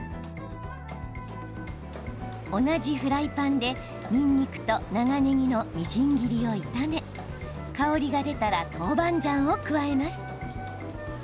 同じフライパンで、にんにくと長ねぎのみじん切りを炒め香りが出たら豆板醤を加えます。